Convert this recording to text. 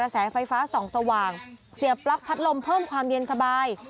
เสียปลั๊กพัดลมเพิ่มความเย็นสบาย